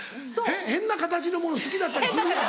変な形のもの好きだったりするやん。